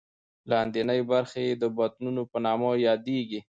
لاندینۍ برخې یې د بطنونو په نامه یادېږي.